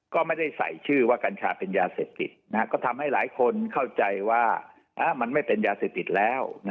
ก็ไม่ได้ใส่ชื่อว่ากัญชาเป็นยาเสพติดก็ทำให้หลายคนเข้าใจว่ามันไม่เป็นยาเสพติดแล้ว